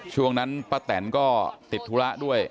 ช่วงนั้นป้าแตนก็ติดธุระด้วย